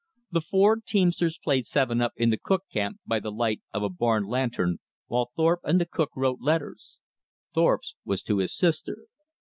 The four teamsters played seven up in the cook camp by the light of a barn lantern, while Thorpe and the cook wrote letters. Thorpe's was to his sister.